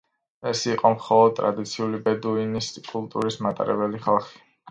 ეს იყო მხოლოდ ტრადიციული ბედუინების კულტურის მატარებელი ხალხი.